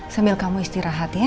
sambil kamu istirahat ya